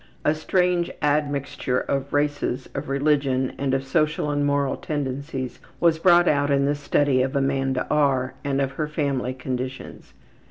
A strange admixture of races, of religion, and of social and moral tendencies was brought out in the study of Amanda R. and of her family conditions.